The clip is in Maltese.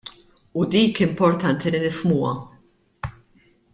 U dik importanti li nifhmuha.